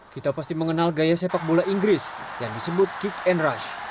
kita pasti mengenal gaya sepak bola inggris yang disebut kick and rush